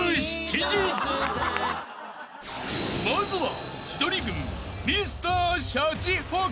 ［まずは］